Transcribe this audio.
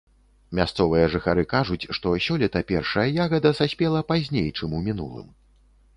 Мясцовыя жыхары кажуць, што сёлета першая ягада саспела пазней, чым у мінулым.